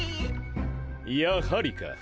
やはりか。